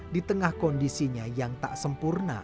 di tengah kondisinya yang tak sempurna